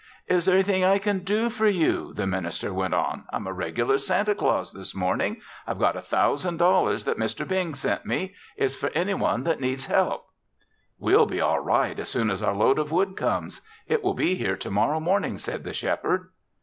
"Is there anything I can do for you?" the minister went on. "I'm a regular Santa Claus this morning. I've got a thousand dollars that Mr. Bing sent me. It's for any one that needs help." "We'll be all right as soon as our load of wood comes. It will be here to morrow morning," said the Shepherd.